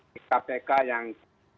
di kpk yang